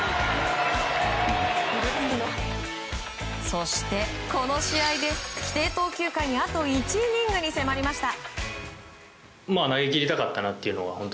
そして、この試合で規定投球回にあと１イニングに迫りました。